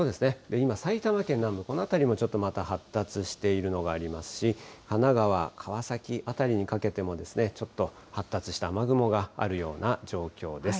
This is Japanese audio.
今、埼玉県南部、この辺りもちょっとまた発達しているものもありますし、神奈川・川崎辺りにかけてもちょっと発達した雨雲があるような状況です。